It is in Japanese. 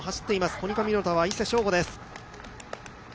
コニカミノルタは伊勢翔吾です。